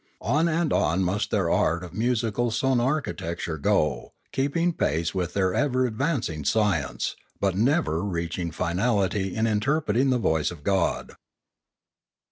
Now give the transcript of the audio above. On and on must their art of musical sonarchi tecture go, keeping pace with their ever advancing science, but never reaching finality in interpreting the voice of God.